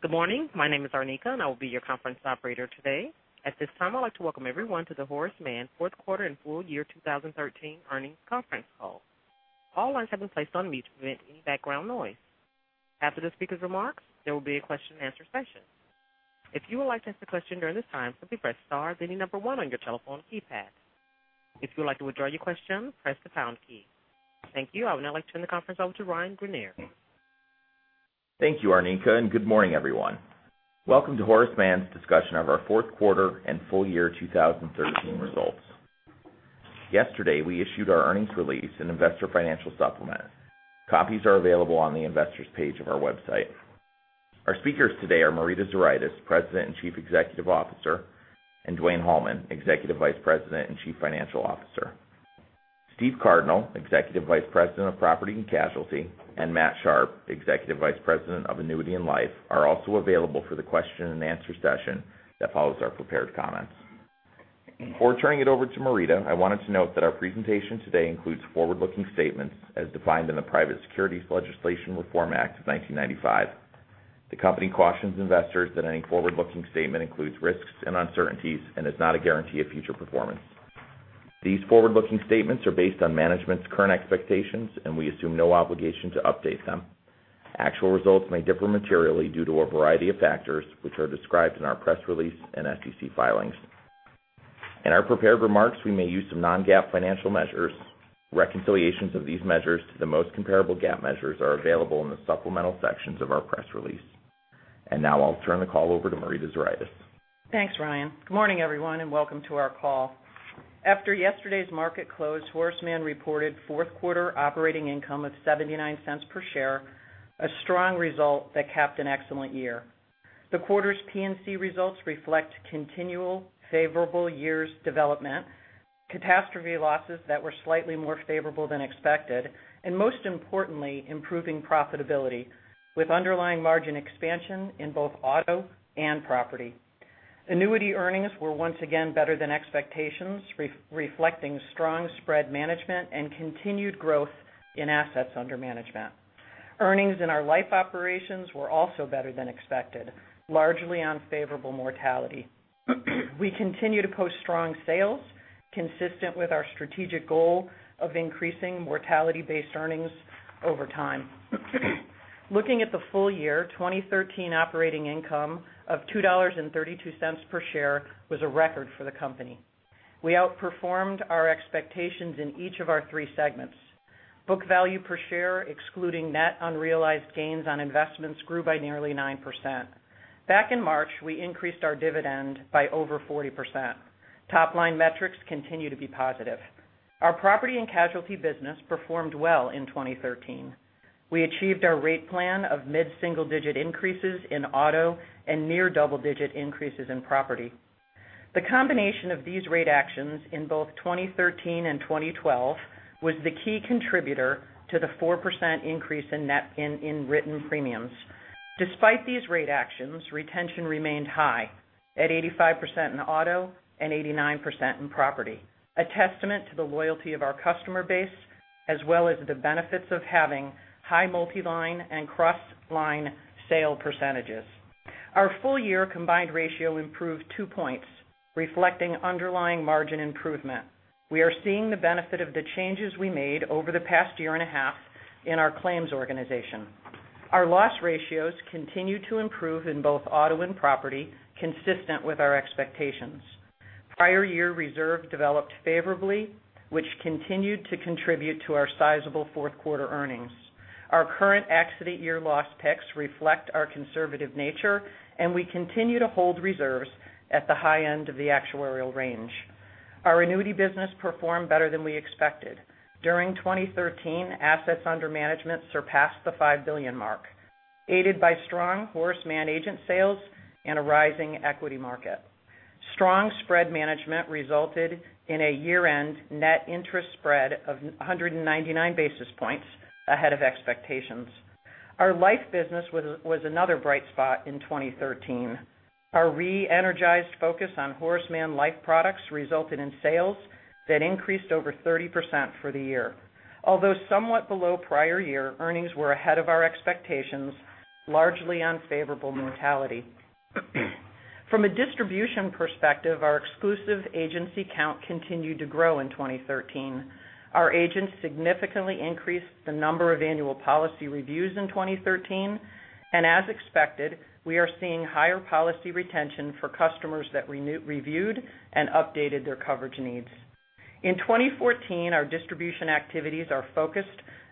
Good morning. My name is Anika, and I will be your conference operator today. At this time, I'd like to welcome everyone to the Horace Mann fourth quarter and full year 2013 earnings conference call. All lines have been placed on mute to prevent any background noise. After the speaker's remarks, there will be a question and answer session. If you would like to ask a question during this time, simply press star then the number one on your telephone keypad. If you would like to withdraw your question, press the pound key. Thank you. I would now like to turn the conference over to Ryan Greenier. Thank you, Anika, and good morning, everyone. Welcome to Horace Mann's discussion of our fourth quarter and full year 2013 results. Yesterday, we issued our earnings release and investor financial supplement. Copies are available on the Investors page of our website. Our speakers today are Marita Zuraitis, President and Chief Executive Officer, and Dwayne Hallman, Executive Vice President and Chief Financial Officer. Steve Cardinal, Executive Vice President of Property and Casualty, and Matt Sharpe, Executive Vice President of Annuity and Life, are also available for the question and answer session that follows our prepared comments. Before turning it over to Marita, I wanted to note that our presentation today includes forward-looking statements as defined in the Private Securities Litigation Reform Act of 1995. The company cautions investors that any forward-looking statement includes risks and uncertainties and is not a guarantee of future performance. These forward-looking statements are based on management's current expectations, and we assume no obligation to update them. Actual results may differ materially due to a variety of factors, which are described in our press release and SEC filings. In our prepared remarks, we may use some non-GAAP financial measures. Reconciliations of these measures to the most comparable GAAP measures are available in the supplemental sections of our press release. Now I'll turn the call over to Marita Zuraitis. Thanks, Ryan. Good morning, everyone, and welcome to our call. After yesterday's market close, Horace Mann reported fourth quarter operating income of $0.79 per share, a strong result that capped an excellent year. The quarter's P&C results reflect continual favorable years' development, catastrophe losses that were slightly more favorable than expected, and most importantly, improving profitability with underlying margin expansion in both auto and property. Annuity earnings were once again better than expectations, reflecting strong spread management and continued growth in assets under management. Earnings in our life operations were also better than expected, largely on favorable mortality. We continue to post strong sales consistent with our strategic goal of increasing mortality-based earnings over time. Looking at the full year, 2013 operating income of $2.32 per share was a record for the company. We outperformed our expectations in each of our three segments. Book value per share excluding net unrealized gains on investments grew by nearly 9%. Back in March, we increased our dividend by over 40%. Top-line metrics continue to be positive. Our property and casualty business performed well in 2013. We achieved our rate plan of mid-single-digit increases in auto and near double-digit increases in property. The combination of these rate actions in both 2013 and 2012 was the key contributor to the 4% increase in net in written premiums. Despite these rate actions, retention remained high at 85% in auto and 89% in property, a testament to the loyalty of our customer base, as well as the benefits of having high multi-line and cross-line sale percentages. Our full-year combined ratio improved two points, reflecting underlying margin improvement. We are seeing the benefit of the changes we made over the past year and a half in our claims organization. Our loss ratios continue to improve in both auto and property, consistent with our expectations. Prior year reserve developed favorably, which continued to contribute to our sizable fourth quarter earnings. Our current accident year loss picks reflect our conservative nature, and we continue to hold reserves at the high end of the actuarial range. Our annuity business performed better than we expected. During 2013, assets under management surpassed the $5 billion mark, aided by strong Horace Mann agent sales and a rising equity market. Strong spread management resulted in a year-end net interest spread of 199 basis points ahead of expectations. Our life business was another bright spot in 2013. Our re-energized focus on Horace Mann Life products resulted in sales that increased over 30% for the year. Although somewhat below prior year, earnings were ahead of our expectations, largely on favorable mortality. From a distribution perspective, our exclusive agency count continued to grow in 2013. Our agents significantly increased the number of annual policy reviews in 2013, and as expected, we are seeing higher policy retention for customers that reviewed and updated their coverage needs. In 2014, our distribution activities are focused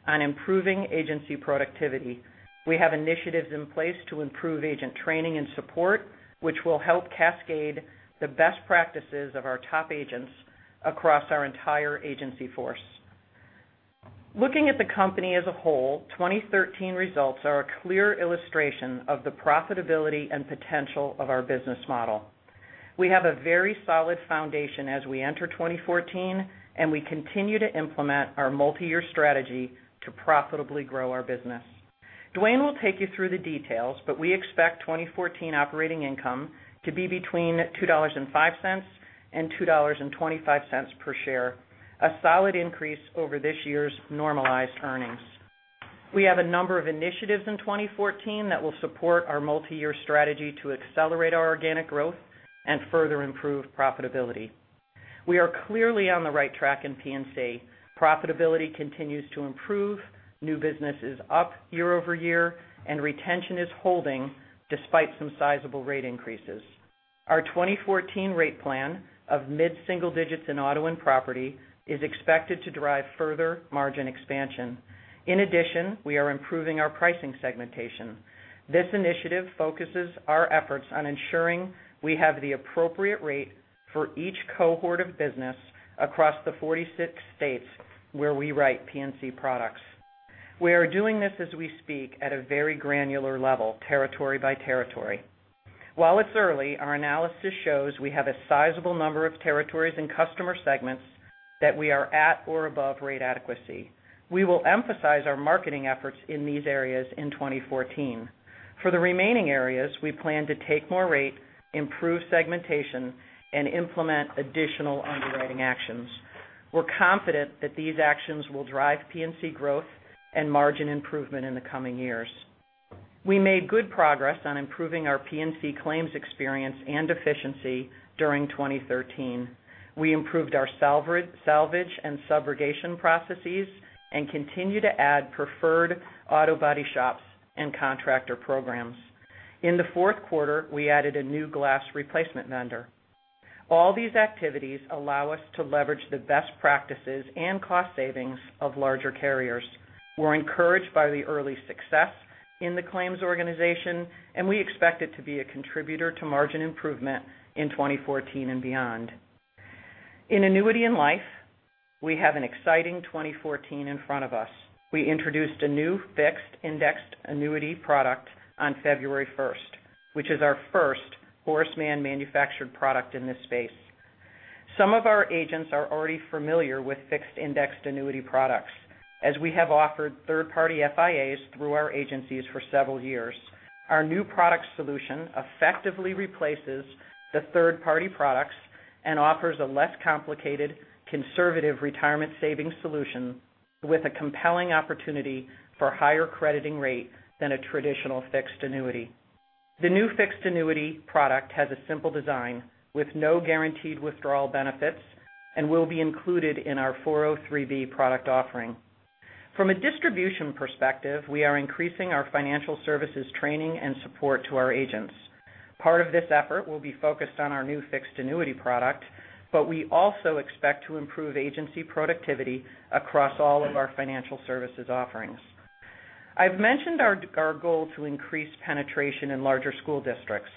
on improving agency productivity. We have initiatives in place to improve agent training and support, which will help cascade the best practices of our top agents across our entire agency force. Looking at the company as a whole, 2013 results are a clear illustration of the profitability and potential of our business model. We have a very solid foundation as we enter 2014, and we continue to implement our multi-year strategy to profitably grow our business. Dwayne will take you through the details. We expect 2014 operating income to be between $2.05 and $2.25 per share, a solid increase over this year's normalized earnings. We have a number of initiatives in 2014 that will support our multi-year strategy to accelerate our organic growth and further improve profitability. We are clearly on the right track in P&C. Profitability continues to improve, new business is up year-over-year, and retention is holding despite some sizable rate increases. Our 2014 rate plan of mid-single digits in auto and property is expected to drive further margin expansion. In addition, we are improving our pricing segmentation. This initiative focuses our efforts on ensuring we have the appropriate rate for each cohort of business across the 46 states where we write P&C products. We are doing this as we speak at a very granular level, territory by territory. While it's early, our analysis shows we have a sizable number of territories and customer segments that we are at or above rate adequacy. We will emphasize our marketing efforts in these areas in 2014. For the remaining areas, we plan to take more rate, improve segmentation, and implement additional underwriting actions. We're confident that these actions will drive P&C growth and margin improvement in the coming years. We made good progress on improving our P&C claims experience and efficiency during 2013. We improved our salvage and subrogation processes and continue to add preferred auto body shops and contractor programs. In the fourth quarter, we added a new glass replacement vendor. All these activities allow us to leverage the best practices and cost savings of larger carriers. We're encouraged by the early success in the claims organization. We expect it to be a contributor to margin improvement in 2014 and beyond. In annuity and life, we have an exciting 2014 in front of us. We introduced a new fixed indexed annuity product on February 1st, which is our first Horace Mann manufactured product in this space. Some of our agents are already familiar with fixed indexed annuity products, as we have offered third-party FIAs through our agencies for several years. Our new product solution effectively replaces the third-party products and offers a less complicated, conservative retirement savings solution with a compelling opportunity for a higher crediting rate than a traditional fixed annuity. The new fixed annuity product has a simple design with no guaranteed withdrawal benefits and will be included in our 403 product offering. From a distribution perspective, we are increasing our financial services training and support to our agents. Part of this effort will be focused on our new fixed annuity product. We also expect to improve agency productivity across all of our financial services offerings. I've mentioned our goal to increase penetration in larger school districts.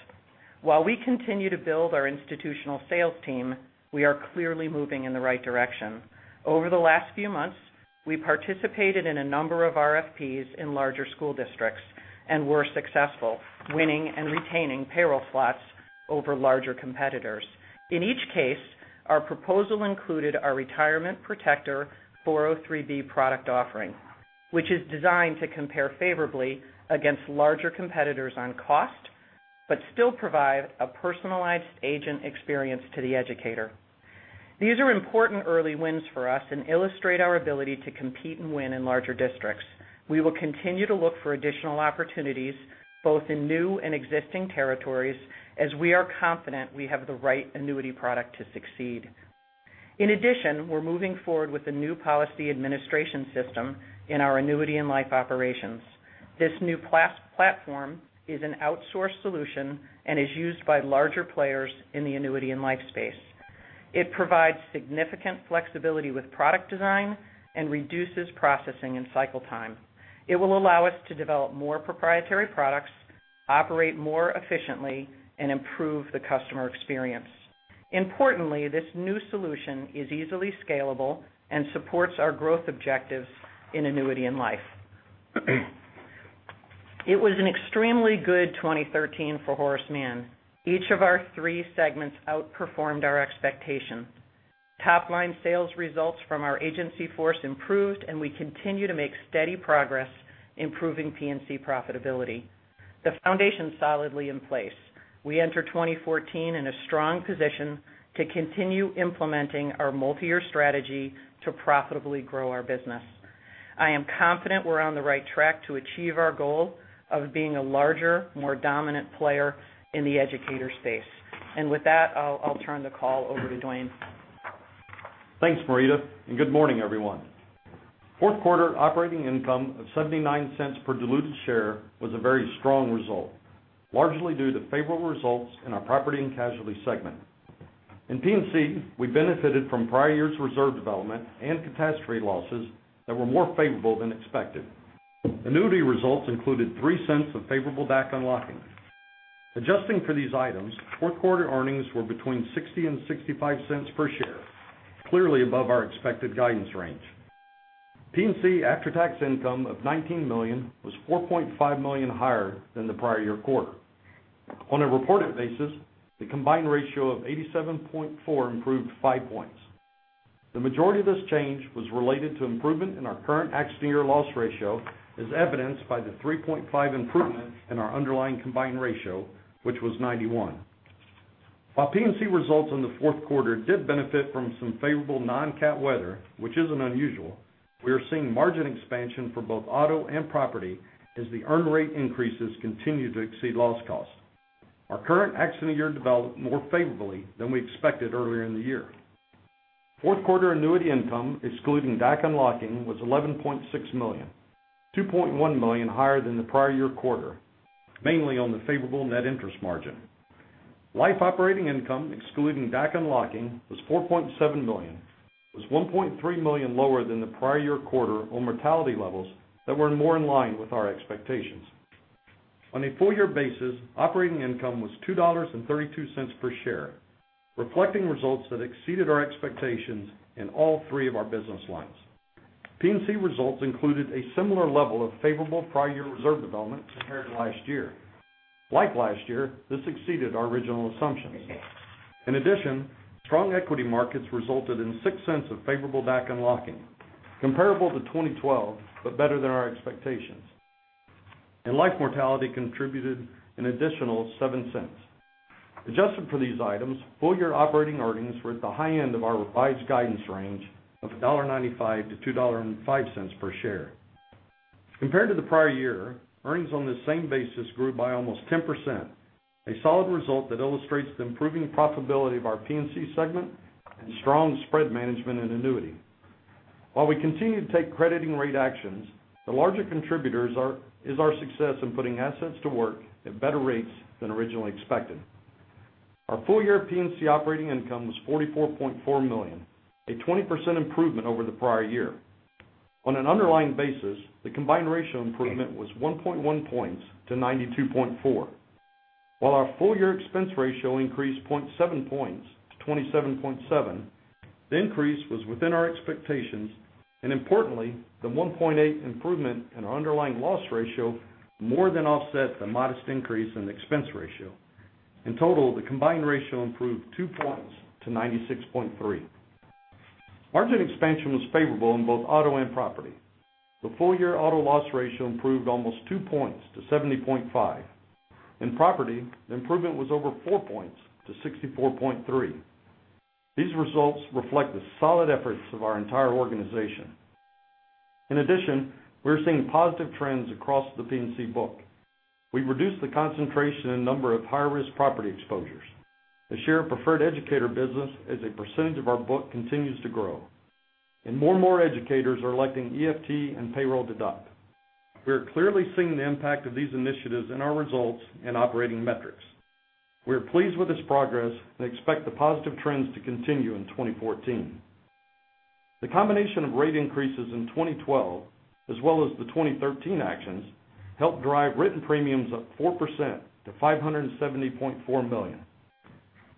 While we continue to build our institutional sales team, we are clearly moving in the right direction. Over the last few months, we participated in a number of RFPs in larger school districts and were successful, winning and retaining payroll slots over larger competitors. In each case, our proposal included our Retirement Protector 403 product offering, which is designed to compare favorably against larger competitors on cost, but still provide a personalized agent experience to the educator. These are important early wins for us and illustrate our ability to compete and win in larger districts. We will continue to look for additional opportunities both in new and existing territories, as we are confident we have the right annuity product to succeed. We're moving forward with the new policy administration system in our annuity and life operations. This new platform is an outsourced solution and is used by larger players in the annuity and life space. It provides significant flexibility with product design and reduces processing and cycle time. It will allow us to develop more proprietary products, operate more efficiently, and improve the customer experience. This new solution is easily scalable and supports our growth objectives in annuity and life. It was an extremely good 2013 for Horace Mann. Each of our three segments outperformed our expectations. Top-line sales results from our agency force improved. We continue to make steady progress improving P&C profitability. The foundation's solidly in place. We enter 2014 in a strong position to continue implementing our multi-year strategy to profitably grow our business. I am confident we're on the right track to achieve our goal of being a larger, more dominant player in the educator space. With that, I'll turn the call over to Dwayne. Thanks, Marita. Good morning, everyone. Fourth quarter operating income of $0.79 per diluted share was a very strong result, largely due to favorable results in our Property and Casualty segment. In P&C, we benefited from prior years' reserve development and catastrophe losses that were more favorable than expected. Annuity results included $0.03 of favorable DAC unlocking. Adjusting for these items, fourth quarter earnings were between $0.60 and $0.65 per share, clearly above our expected guidance range. P&C after-tax income of $19 million was $4.5 million higher than the prior year quarter. On a reported basis, the combined ratio of 87.4% improved five points. The majority of this change was related to improvement in our current accident year loss ratio, as evidenced by the 3.5% improvement in our underlying combined ratio, which was 91%. While P&C results in the fourth quarter did benefit from some favorable non-CAT weather, which isn't unusual, we are seeing margin expansion for both auto and property as the earn rate increases continue to exceed loss costs. Our current accident year developed more favorably than we expected earlier in the year. Fourth quarter annuity income, excluding DAC unlocking, was $11.6 million, $2.1 million higher than the prior year quarter, mainly on the favorable net interest margin. Life operating income, excluding DAC unlocking, was $4.7 million, was $1.3 million lower than the prior year quarter on mortality levels that were more in line with our expectations. On a full-year basis, operating income was $2.32 per share, reflecting results that exceeded our expectations in all three of our business lines. P&C results included a similar level of favorable prior year reserve development compared to last year. Like last year, this exceeded our original assumptions. In addition, strong equity markets resulted in $0.06 of favorable DAC unlocking, comparable to 2012, but better than our expectations. Life mortality contributed an additional $0.07. Adjusted for these items, full-year operating earnings were at the high end of our revised guidance range of $1.95-$2.05 per share. Compared to the prior year, earnings on the same basis grew by almost 10%, a solid result that illustrates the improving profitability of our P&C segment and strong spread management in annuity. While we continue to take crediting rate actions, the larger contributors is our success in putting assets to work at better rates than originally expected. Our full-year P&C operating income was $44.4 million, a 20% improvement over the prior year. On an underlying basis, the combined ratio improvement was 1.1 points to 92.4%. While our full-year expense ratio increased 0.7 points to 27.7, the increase was within our expectations, importantly, the 1.8 improvement in our underlying loss ratio more than offset the modest increase in expense ratio. In total, the combined ratio improved two points to 96.3. Margin expansion was favorable in both auto and property. The full-year auto loss ratio improved almost two points to 70.5. In property, the improvement was over four points to 64.3. These results reflect the solid efforts of our entire organization. In addition, we are seeing positive trends across the P&C book. We've reduced the concentration in number of high-risk property exposures. The share of preferred educator business as a percentage of our book continues to grow, more and more educators are electing EFT and payroll deduct. We are clearly seeing the impact of these initiatives in our results and operating metrics. We are pleased with this progress and expect the positive trends to continue in 2014. The combination of rate increases in 2012, as well as the 2013 actions, helped drive written premiums up 4% to $570.4 million.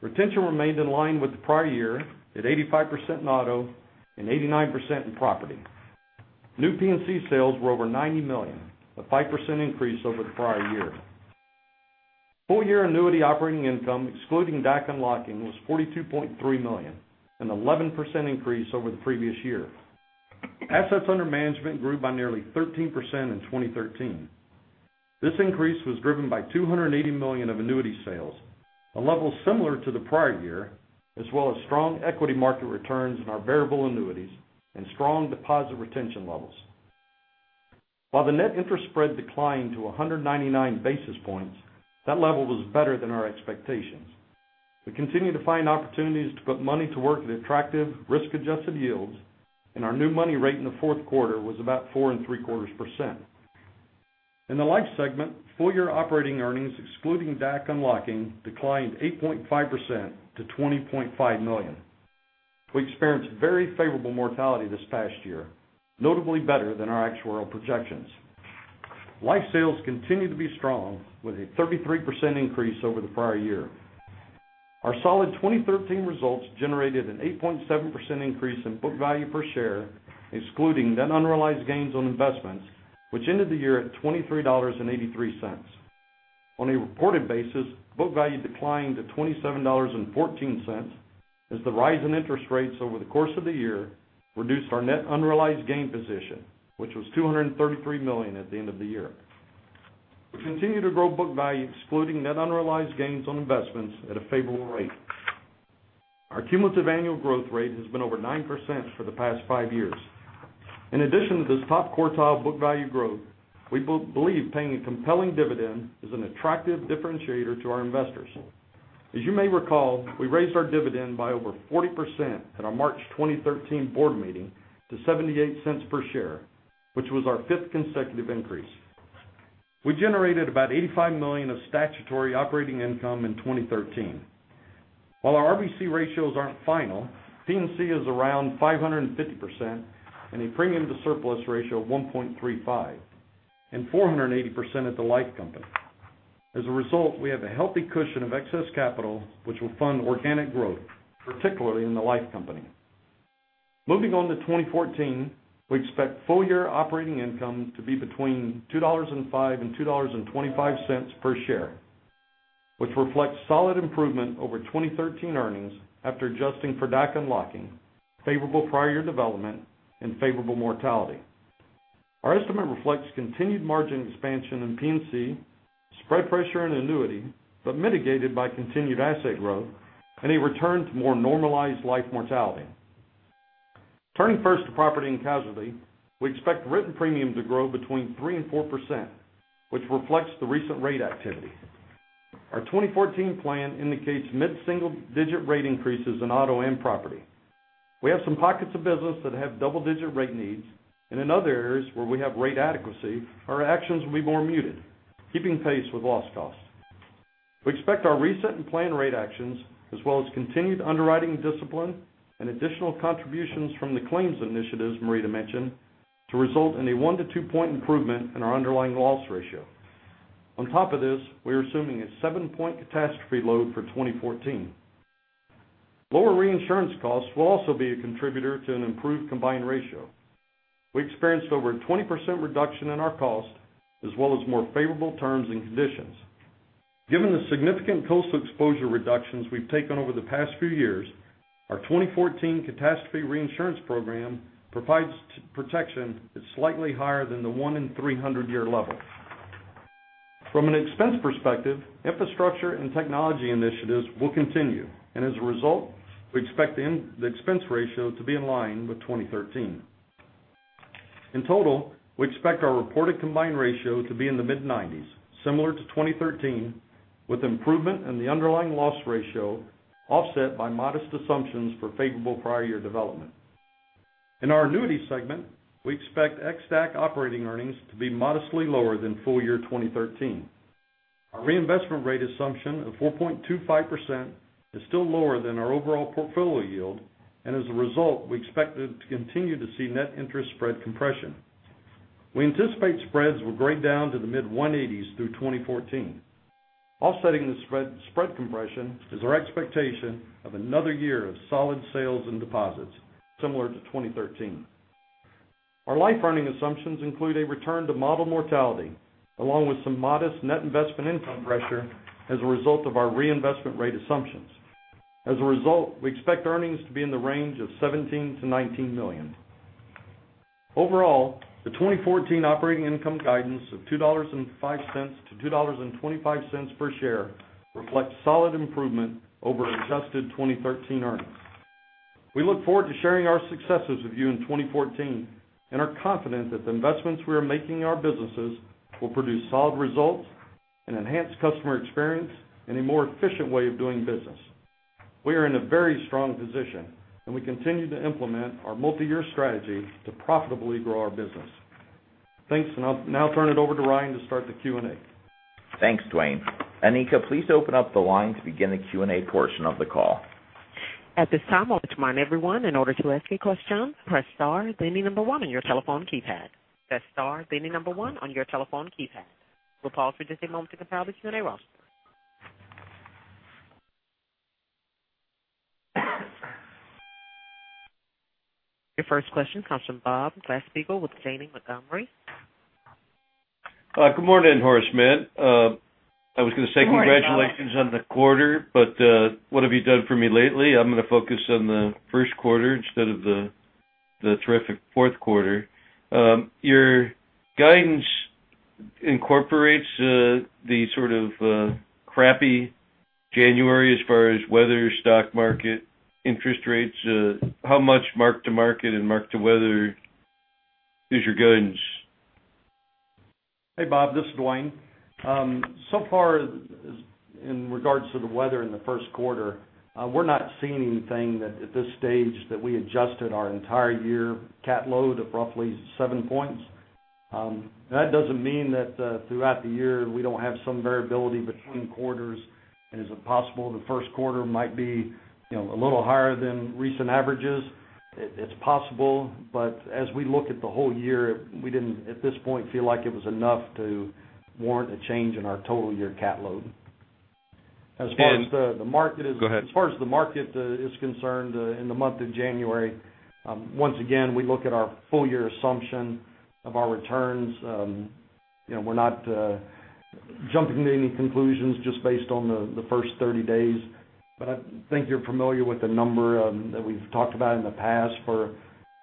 Retention remained in line with the prior year at 85% in auto and 89% in property. New P&C sales were over $90 million, a 5% increase over the prior year. Full-year annuity operating income, excluding DAC unlocking, was $42.3 million, an 11% increase over the previous year. Assets under management grew by nearly 13% in 2013. This increase was driven by $280 million of annuity sales, a level similar to the prior year, as well as strong equity market returns in our variable annuities and strong deposit retention levels. While the net interest spread declined to 199 basis points, that level was better than our expectations. We continue to find opportunities to put money to work at attractive risk-adjusted yields, our new money rate in the fourth quarter was about 4.75%. In the life segment, full-year operating earnings, excluding DAC unlocking, declined 8.5% to $20.5 million. We experienced very favorable mortality this past year, notably better than our actuarial projections. Life sales continue to be strong with a 33% increase over the prior year. Our solid 2013 results generated an 8.7% increase in book value per share, excluding net unrealized gains on investments, which ended the year at $23.83. On a reported basis, book value declined to $27.14 as the rise in interest rates over the course of the year reduced our net unrealized gain position, which was $233 million at the end of the year. We continue to grow book value excluding net unrealized gains on investments at a favorable rate. Our cumulative annual growth rate has been over 9% for the past five years. In addition to this top quartile book value growth, we believe paying a compelling dividend is an attractive differentiator to our investors. As you may recall, we raised our dividend by over 40% at our March 2013 board meeting to $0.78 per share, which was our fifth consecutive increase. We generated about $85 million of statutory operating income in 2013. While our RBC ratios aren't final, P&C is around 550% and a premium to surplus ratio of 1.35, 480% at the life company. As a result, we have a healthy cushion of excess capital which will fund organic growth, particularly in the life company. Moving on to 2014, we expect full-year operating income to be between $2.05 and $2.25 per share, which reflects solid improvement over 2013 earnings after adjusting for DAC unlocking, favorable prior year development, and favorable mortality. Our estimate reflects continued margin expansion in P&C, spread pressure and annuity, but mitigated by continued asset growth and a return to more normalized life mortality. Turning first to property and casualty, we expect written premium to grow between 3% and 4%, which reflects the recent rate activity. Our 2014 plan indicates mid-single-digit rate increases in auto and property. We have some pockets of business that have double-digit rate needs, and in other areas where we have rate adequacy, our actions will be more muted, keeping pace with loss costs. We expect our reset and plan rate actions, as well as continued underwriting discipline and additional contributions from the claims initiatives Marita mentioned, to result in a one- to two-point improvement in our underlying loss ratio. On top of this, we are assuming a seven-point catastrophe load for 2014. Lower reinsurance costs will also be a contributor to an improved combined ratio. We experienced over a 20% reduction in our cost as well as more favorable terms and conditions. Given the significant coastal exposure reductions we've taken over the past few years, our 2014 catastrophe reinsurance program provides protection that's slightly higher than the one in 300-year level. From an expense perspective, infrastructure and technology initiatives will continue. As a result, we expect the expense ratio to be in line with 2013. In total, we expect our reported combined ratio to be in the mid-90s, similar to 2013, with improvement in the underlying loss ratio offset by modest assumptions for favorable prior year development. In our annuity segment, we expect XDAC operating earnings to be modestly lower than full year 2013. Our reinvestment rate assumption of 4.25% is still lower than our overall portfolio yield. As a result, we expect to continue to see net interest spread compression. We anticipate spreads will break down to the mid-180s through 2014. Offsetting the spread compression is our expectation of another year of solid sales and deposits similar to 2013. Our life earning assumptions include a return to model mortality, along with some modest net investment income pressure as a result of our reinvestment rate assumptions. As a result, we expect earnings to be in the range of $17 million to $19 million. Overall, the 2014 operating income guidance of $2.05 to $2.25 per share reflects solid improvement over adjusted 2013 earnings. We look forward to sharing our successes with you in 2014 and are confident that the investments we are making in our businesses will produce solid results and enhanced customer experience and a more efficient way of doing business. We are in a very strong position. We continue to implement our multi-year strategy to profitably grow our business. Thanks. I'll now turn it over to Ryan to start the Q&A. Thanks, Dwayne. Anika, please open up the line to begin the Q&A portion of the call. At this time, I want to remind everyone, in order to ask a question, press star, then the number one on your telephone keypad. Press star, then the number one on your telephone keypad. We'll pause for just a moment to compile the Q&A roster. Your first question comes from Bob Glasspiegel with Janney Montgomery. Good morning, Horace Mann. Good morning, Bob. I was going to say congratulations on the quarter, but what have you done for me lately? I'm going to focus on the first quarter instead of the terrific fourth quarter. Your guidance incorporates the sort of crappy January as far as weather, stock market, interest rates. How much mark to market and mark to weather is your guidance? Hey, Bob. This is Dwayne. So far, in regards to the weather in the first quarter, we're not seeing anything that at this stage that we adjusted our entire year CAT load of roughly seven points. That doesn't mean that throughout the year we don't have some variability between quarters. Is it possible the first quarter might be a little higher than recent averages? It's possible, as we look at the whole year, we didn't, at this point, feel like it was enough to warrant a change in our total year CAT load. And- As far as the market is- Go ahead As far as the market is concerned in the month of January, once again, we look at our full year assumption of our returns. We're not jumping to any conclusions just based on the first 30 days. I think you're familiar with the number that we've talked about in the past for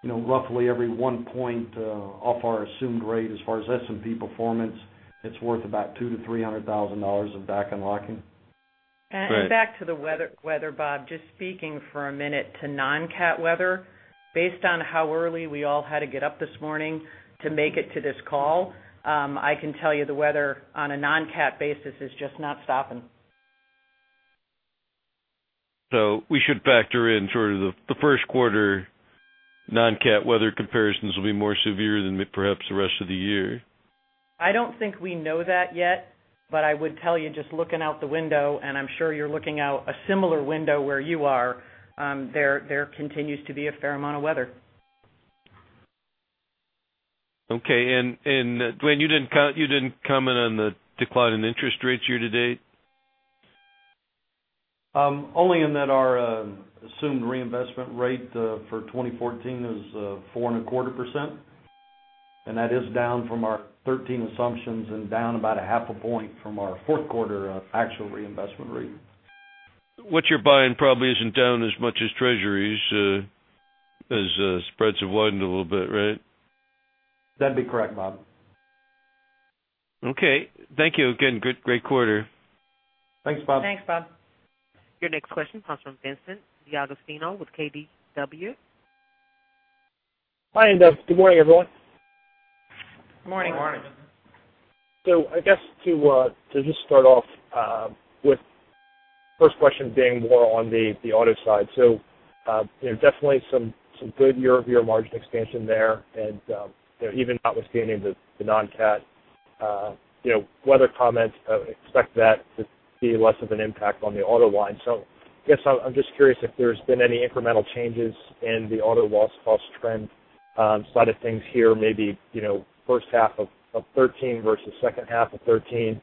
roughly every one point off our assumed rate as far as S&P performance, it's worth about $200,000-$300,000 of DAC unlocking. Great. Back to the weather, Bob, just speaking for a minute to non-CAT weather. Based on how early we all had to get up this morning to make it to this call, I can tell you the weather on a non-CAT basis is just not stopping. We should factor in sort of the first quarter non-CAT weather comparisons will be more severe than perhaps the rest of the year. I don't think we know that yet, but I would tell you just looking out the window, and I'm sure you're looking out a similar window where you are, there continues to be a fair amount of weather. Okay. Dwayne, you didn't comment on the decline in interest rates year to date? Only in that our assumed reinvestment rate for 2014 is 4.25%, and that is down from our 2013 assumptions and down about a half a point from our fourth quarter actual reinvestment rate. What you're buying probably isn't down as much as treasuries, as spreads have widened a little bit, right? That'd be correct, Bob. Okay. Thank you again. Great quarter. Thanks, Bob. Thanks, Bob. Your next question comes from Vincent D'Agostino with KBW. Hi, good morning, everyone. Morning. Morning. I guess to just start off with first question being more on the auto side. Definitely some good year-over-year margin expansion there and even notwithstanding the non-CAT weather comments, expect that to be less of an impact on the auto line. I guess I'm just curious if there's been any incremental changes in the auto loss cost trend side of things here, maybe first half of 2013 versus second half of 2013,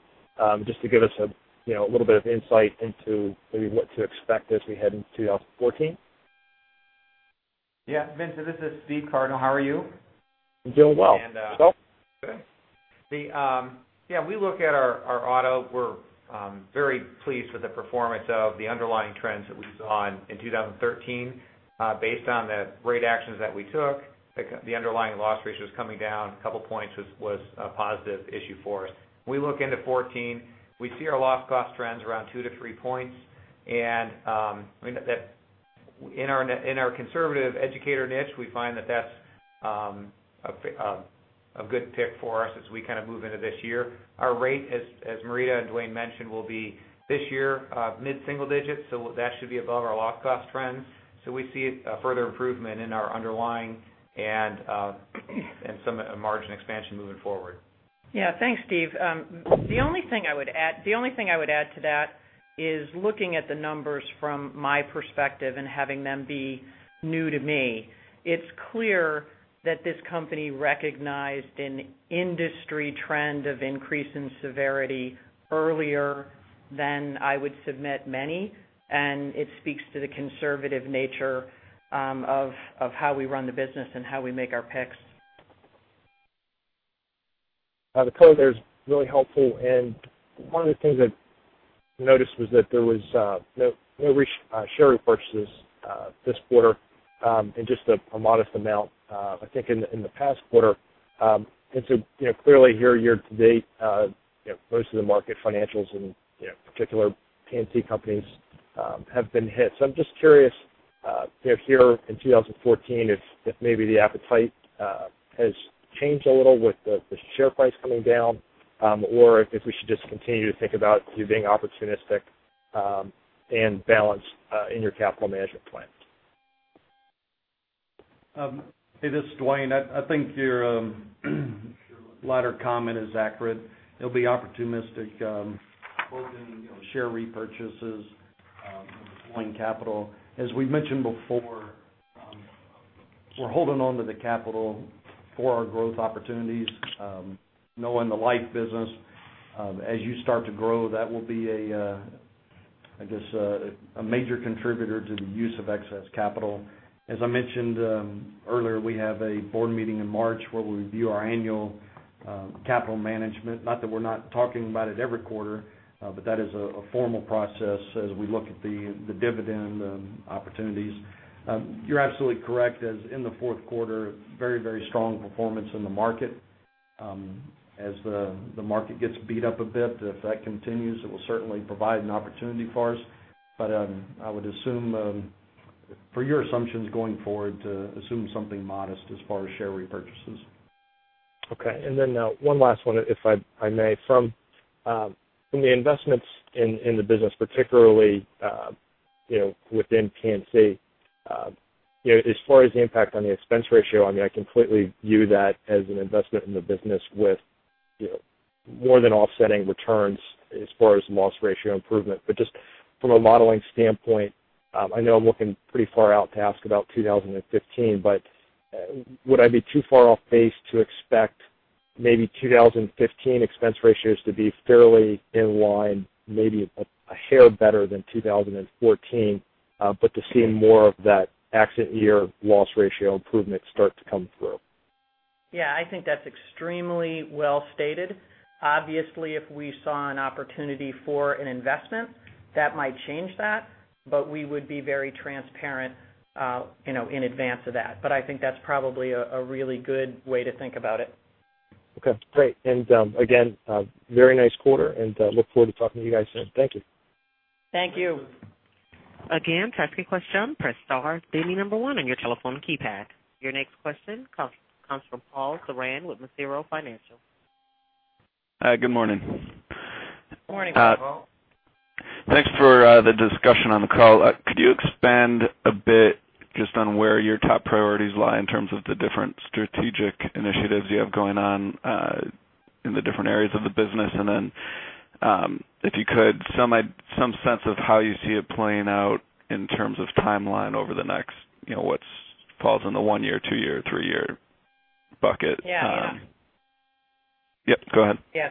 just to give us a little bit of insight into maybe what to expect as we head into 2014. Yeah. Vincent, this is Steve Cardinal. How are you? I'm doing well. And- Yourself? Good. Yeah, we look at our auto, we're very pleased with the performance of the underlying trends that we saw in 2013. Based on the rate actions that we took, the underlying loss ratio was coming down a couple points was a positive issue for us. When we look into 2014, we see our loss cost trends around 2-3 points, and in our conservative educator niche, we find that that's a good pick for us as we move into this year. Our rate, as Marita and Dwayne mentioned, will be this year mid-single digits, that should be above our loss cost trends. We see a further improvement in our underlying and some margin expansion moving forward. Yeah. Thanks, Steve. The only thing I would add to that is looking at the numbers from my perspective and having them be new to me. It's clear that this company recognized an industry trend of increase in severity earlier than I would submit many, and it speaks to the conservative nature of how we run the business and how we make our picks. The color there is really helpful, one of the things I noticed was that there was no share repurchases this quarter, and just a modest amount I think in the past quarter. Clearly year to date, most of the market financials in particular P&C companies have been hit. I'm just curious, here in 2014, if maybe the appetite has changed a little with the share price coming down, or if we should just continue to think about you being opportunistic and balanced in your capital management plan. Hey, this is Dwayne. I think your latter comment is accurate. It'll be opportunistic holding share repurchases, deploying capital. As we've mentioned before, we're holding onto the capital for our growth opportunities. Knowing the life business, as you start to grow, that will be, I guess, a major contributor to the use of excess capital. As I mentioned earlier, we have a board meeting in March where we review our annual capital management. Not that we're not talking about it every quarter, that is a formal process as we look at the dividend opportunities. You're absolutely correct, as in the fourth quarter, very strong performance in the market. As the market gets beat up a bit, if that continues, it will certainly provide an opportunity for us. I would assume for your assumptions going forward to assume something modest as far as share repurchases. Okay. One last one, if I may. From the investments in the business particularly, within P&C, as far as the impact on the expense ratio, I completely view that as an investment in the business with more than offsetting returns as far as loss ratio improvement. Just from a modeling standpoint, I know I'm looking pretty far out to ask about 2015, would I be too far off base to expect maybe 2015 expense ratios to be fairly in line, maybe a hair better than 2014, to see more of that accident year loss ratio improvement start to come through? Yeah, I think that's extremely well-stated. Obviously, if we saw an opportunity for an investment, that might change that, we would be very transparent in advance of that. I think that's probably a really good way to think about it. Okay, great. Again, very nice quarter, and look forward to talking to you guys soon. Thank you. Thank you. Again, to ask a question, press star, then the number one on your telephone keypad. Your next question comes from Paul Saran with Massaro Financial. Hi, good morning. Morning, Paul. Thanks for the discussion on the call. Could you expand a bit just on where your top priorities lie in terms of the different strategic initiatives you have going on in the different areas of the business? Then, if you could, some sense of how you see it playing out in terms of timeline over the next, what falls in the one year, two year, three year bucket. Yeah. Yep, go ahead. Yeah.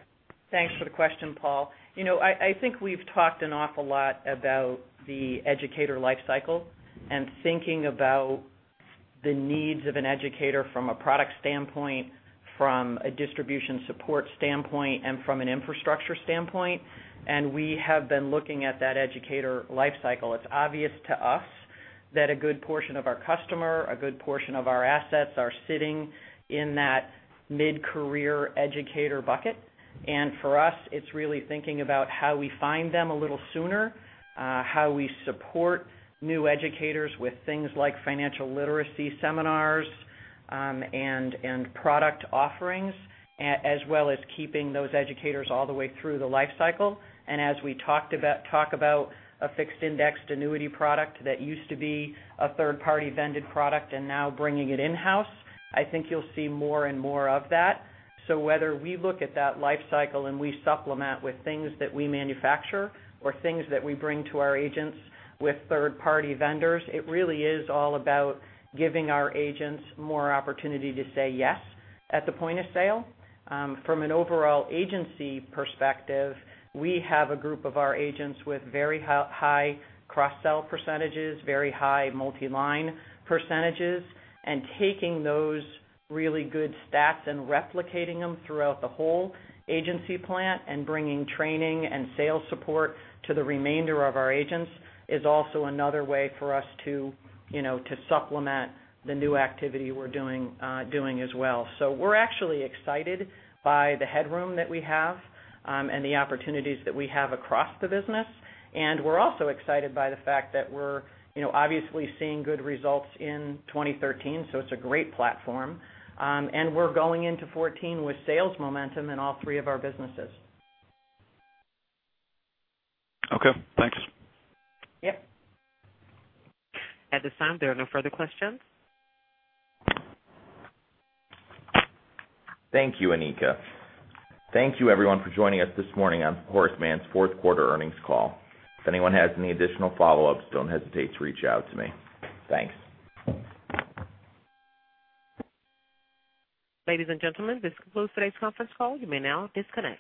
Thanks for the question, Paul. I think we've talked an awful lot about the educator life cycle and thinking about the needs of an educator from a product standpoint, from a distribution support standpoint, and from an infrastructure standpoint, we have been looking at that educator life cycle. It's obvious to us that a good portion of our customer, a good portion of our assets are sitting in that mid-career educator bucket. For us, it's really thinking about how we find them a little sooner, how we support new educators with things like financial literacy seminars and product offerings, as well as keeping those educators all the way through the life cycle. As we talk about a fixed indexed annuity product that used to be a third-party vended product and now bringing it in-house, I think you'll see more and more of that. Whether we look at that life cycle and we supplement with things that we manufacture or things that we bring to our agents with third-party vendors, it really is all about giving our agents more opportunity to say yes at the point of sale. From an overall agency perspective, we have a group of our agents with very high cross-sell percentages, very high multi-line percentages, taking those really good stats and replicating them throughout the whole agency plan and bringing training and sales support to the remainder of our agents is also another way for us to supplement the new activity we're doing as well. We're actually excited by the headroom that we have and the opportunities that we have across the business. We're also excited by the fact that we're obviously seeing good results in 2013, it's a great platform. We're going into 2014 with sales momentum in all three of our businesses. Okay, thanks. Yep. At this time, there are no further questions. Thank you, Anika. Thank you everyone for joining us this morning on Horace Mann's fourth quarter earnings call. If anyone has any additional follow-ups, don't hesitate to reach out to me. Thanks. Ladies and gentlemen, this concludes today's conference call. You may now disconnect.